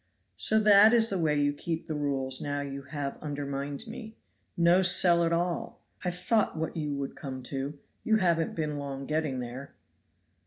"So that is the way you keep the rules now you have undermined me! No cell at all. I thought what you would come to. You haven't been long getting there."